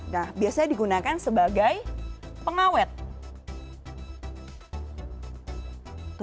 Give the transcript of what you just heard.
nah biasanya digunakan sebagai pengawet